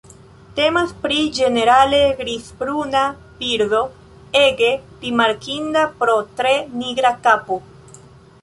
Temas pri ĝenerale grizbruna birdo ege rimarkinda pro tre nigra kapo.